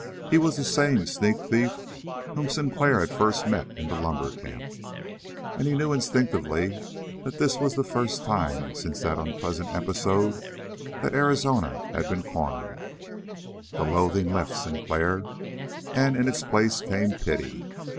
He was the same sneak thief whom Sinclair had first met in the lumber camp, and he knew instinctively that this was the first time since that unpleasant episode that Arizona had been cornered. The loathing left Sinclair, and in its place came pity.